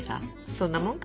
そんなもんか？